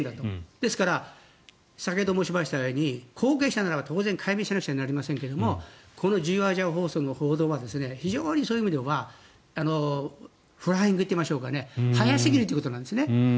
ですから先ほど申しましたように後継者なら当然改名しなくちゃいけませんがこの自由アジア放送の報道は非常にそういう意味ではフライングといいましょうか早すぎるということなんですね。